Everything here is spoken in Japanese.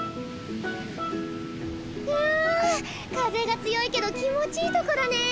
わあ風が強いけど気持ちいいとこだねえ。